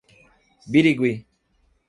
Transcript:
Birigui